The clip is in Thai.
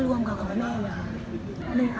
แล้วก็ร่วมกับแม่เลยค่ะ